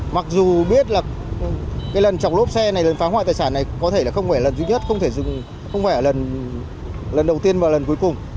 mặc dù biết lần chọc lốp xe này lần phá hoại tài sản này có thể không phải lần duy nhất không phải lần đầu tiên và lần cuối cùng